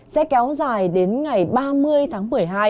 sẽ kéo dài đến ngày ba mươi tháng một mươi hai